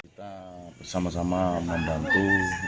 kita bersama sama membantu